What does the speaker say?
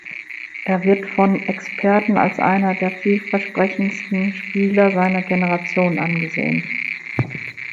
Er wird von Experten als einer der vielversprechendsten Spieler seiner Generation angesehen.